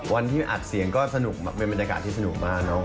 วันที่อัดเสียงก็สนุกแบบเป็นบรรยากาศที่สนุกมากเนอะ